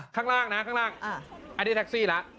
ข้างล่างนะข้างล่างอันนี้แท็กซี่แล้ว